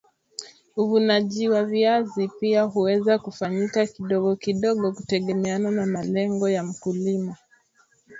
uvunaji wa viazi pia huweza kufanyika kidogo kidogo kutegemeana na malengo ya mkulima